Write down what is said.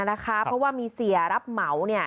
เพราะว่ามีเสียรับเหมา